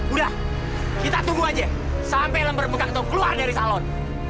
udah kita tunggu aja sampai lempar muka atau keluar dari salon